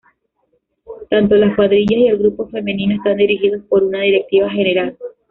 Tanto las cuadrillas y el grupo femenino, están dirigidos por una directiva general.